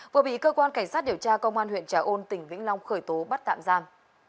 vừa bị cơ quan cảnh sát điều tra công an huyện trà ôn tỉnh vĩnh long khởi tố bắt tạm giam